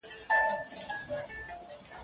نه د شمعی په خوله اور وي نه مضمون وي د غزلو